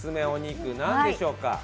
お肉、何でしょうか？